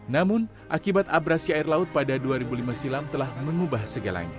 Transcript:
namun akibat abrasi air laut pada dua ribu lima silam telah mengubah segalanya